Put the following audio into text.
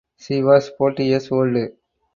She was forty years old.